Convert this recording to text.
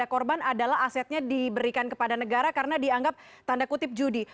yang akhirnya berdampak pada korban adalah asetnya diberikan kepada negara karena dianggap tanda kutip judi